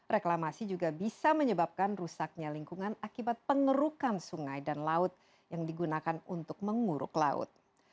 reklamasi juga bisa menyebabkan rusaknya lingkungan akibat pengerukan sungai dan laut yang digunakan untuk menguruk laut